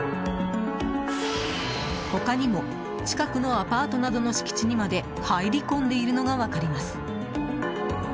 他にも近くのアパートなどの敷地にまで入り込んでいるのが分かります。